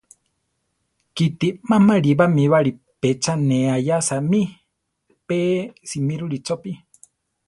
Kite má marí bamíbali pe cha ne aʼyása mí; pe simíroli chopí.